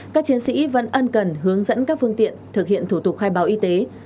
các chiến sĩ vẫn ân cần hướng dẫn các phương tiện thực hiện thủ tục khai báo y tế